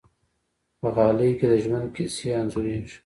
په غالۍ کې د ژوند کیسې انځورېږي.